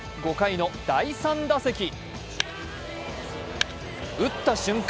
５回の第３打席、打った瞬間